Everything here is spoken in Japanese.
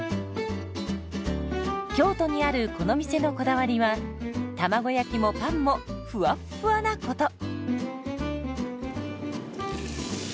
京都にあるこの店のこだわりは卵焼きもパンもふわっふわなこと。